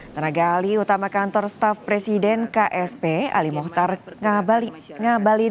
tenaga ali utama kantor staf presiden ksp ali mohtar ngabalin